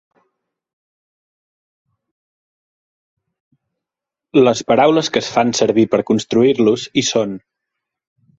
Les paraules que es fan servir per construir-los hi són.